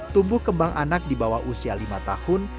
tumbuh kembang anak di bawah usia lima tahun